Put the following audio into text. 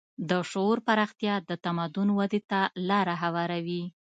د شعور پراختیا د تمدن ودې ته لاره هواروي.